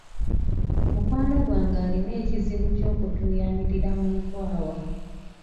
Mukwano gwange alina ekizibu ky'okutuuyanirira mu nkwawa.